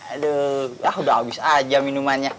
aduh yaudah habis aja minumannya